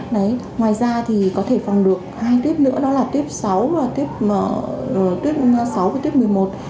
ngoài ra thì có thể phòng được hai tuyết nữa đó là tuyết sáu và tuyết một mươi một